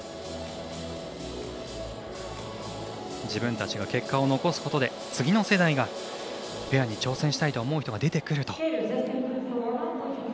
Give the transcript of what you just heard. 自分たちが結果を残すことで次の世代がペアに挑戦したいと思う人が出てくると。